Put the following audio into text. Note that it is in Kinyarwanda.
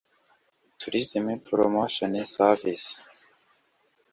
Tourism Promotion Services